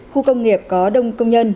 khu công nghiệp có đông công nhân